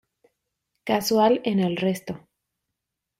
Casual en el resto.